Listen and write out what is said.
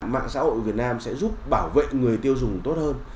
mạng xã hội việt nam sẽ giúp bảo vệ người tiêu dùng tốt hơn